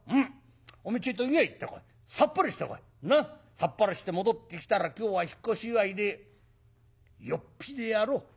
さっぱりして戻ってきたら今日は引っ越し祝いでよっぴでやろう」。